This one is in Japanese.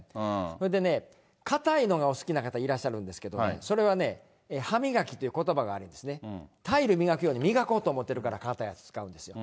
それでね、硬いのがお好きな方いらっしゃるんですけど、それはね、歯磨きということばがあるんですね、タイル磨くように磨こうと思ってるから硬いやつ使うんですよ。